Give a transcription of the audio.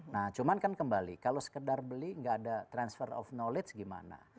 nah cuman kan kembali kalau sekedar beli nggak ada transfer of knowledge gimana